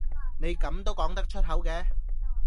你咁都講得出口嘅？